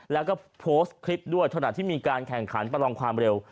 แล้วก็โพสต์คลิปด้วยขณะที่มีการแข่งขันประลองความเร็ว